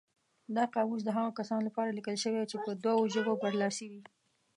دا قاموس د هغو کسانو لپاره لیکل شوی چې په دوو ژبو برلاسي وي.